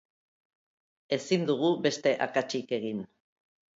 Ezin dugu beste akatsik egin.